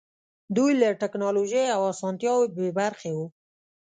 دوی له ټکنالوژۍ او اسانتیاوو بې برخې وو.